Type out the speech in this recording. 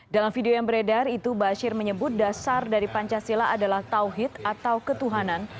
dalam video yang beredar itu bashir menyebut dasar dari pancasila adalah tauhid atau ketuhanan